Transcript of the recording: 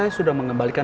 saya sudah mengembalikan